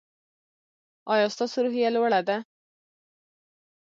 ایا ستاسو روحیه لوړه ده؟